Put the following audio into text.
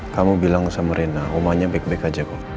kamu bilang sama rena omanya baik baik aja kok